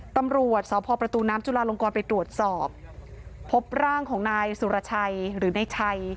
ตำรวจสพประตูน้ำจุลาลงกรไปตรวจสอบพบร่างของนายสุรชัยหรือนายชัย